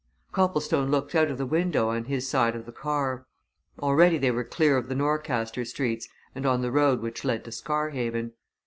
Copplestone looked out of the window on his side of the car. Already they were clear of the Norcaster streets and on the road which led to Scarhaven.